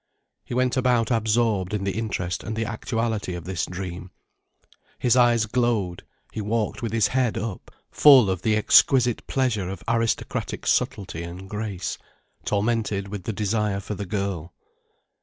He went about absorbed in the interest and the actuality of this dream. His eyes glowed, he walked with his head up, full of the exquisite pleasure of aristocratic subtlety and grace, tormented with the desire for the girl.